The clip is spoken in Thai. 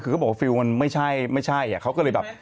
คือเขาบอกว่าฟิลล์มันไม่ใช่ไม่ใช่เขาก็เลยแบบ